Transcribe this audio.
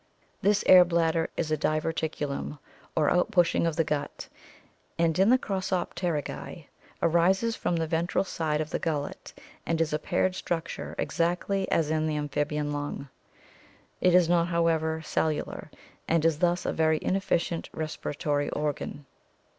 This air bladder is a diverticulum or out pushing of the gut, and in the Crossopterygii arises from the ventral side of the gullet and is a paired structure exactly as in the amphibian lung. It is not, however, cellular and is thus a very inefficient respiratory organ.